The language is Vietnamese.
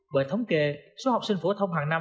bởi thống kê số học sinh phổ thông hàng năm